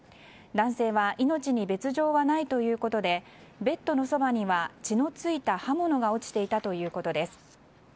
男性は命に別条はないということでベッドのそばには血の付いた刃物が落ちていたということです。